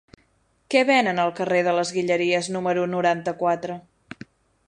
Què venen al carrer de les Guilleries número noranta-quatre?